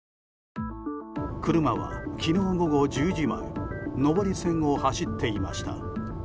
車は昨日午後１０時前上り線を走っていました。